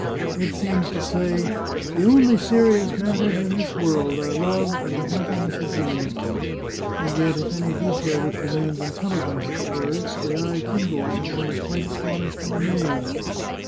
It seems to say, ' The only serious matters in this world are love and the happiness it brings.' And yet if any detail which demands intelligence occurs, his eye kindles, and one is quite aston ished and amazed.